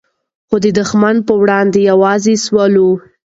خو د دښمن په وړاندې یو ځای سول.